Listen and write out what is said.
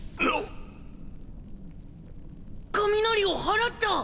雷を払った！